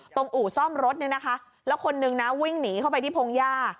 อู่ซ่อมรถเนี่ยนะคะแล้วคนนึงนะวิ่งหนีเข้าไปที่พงหญ้า